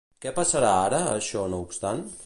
Què passarà ara, això no obstant?